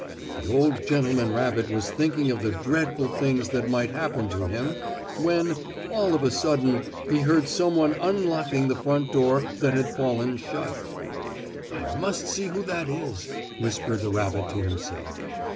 The old gentleman rabbit was thinking of the dreadful things that might happen to him, when, all of a sudden, he heard some one unlocking the front door that had fallen shut. "I must see who that is!" whispered the rabbit to himself.